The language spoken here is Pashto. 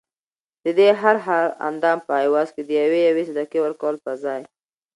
ددې هر هر اندام په عوض کي د یوې یوې صدقې ورکولو په ځای